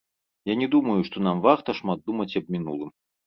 Я не думаю, што нам варта шмат думаць аб мінулым.